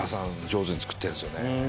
上手に作ってるんですよね。